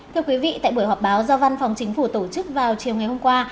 thưa quý vị tại buổi họp báo do văn phòng chính phủ tổ chức vào chiều ngày hôm qua